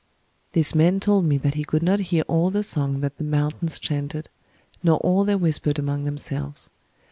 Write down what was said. "This man told me that he could not hear all the song that the mountains chanted, nor all they whispered among themselves.